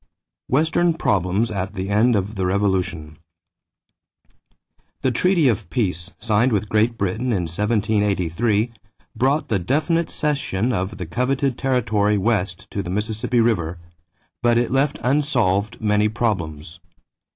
=Western Problems at the End of the Revolution.= The treaty of peace, signed with Great Britain in 1783, brought the definite cession of the coveted territory west to the Mississippi River, but it left unsolved many problems.